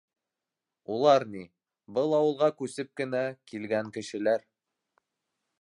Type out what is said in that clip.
- Улар ни... был ауылға күсеп кенә килгән кешеләр...